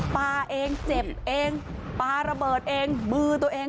ปลาเองเจ็บเองปลาระเบิดเองมือตัวเอง